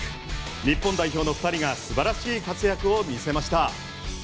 日本代表の２人が素晴らしい活躍を見せました。